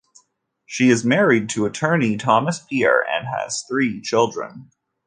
She is married to attorney Thomas Pier and has three children.